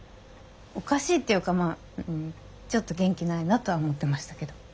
おかしいっていうかまあちょっと元気ないなとは思ってましたけど。